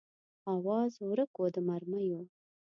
آواز ورک و د مرمیو